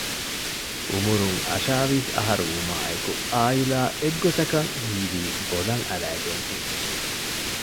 އުމުރުން އަށާވީސް އަހަރު ވުމާއެކު އާއިލާ އޮތްގޮތަށް ހީވީ ބޮލަށް އަރައިގެންހެން